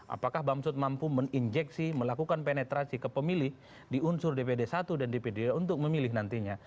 apakah bamsud mampu meninjeksi melakukan penetrasi ke pemilih di unsur dpd satu dan dpd untuk memilih nantinya